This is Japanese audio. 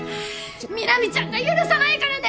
南ちゃんが許さないからね